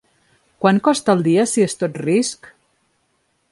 Quant costa al dia si es tot risc?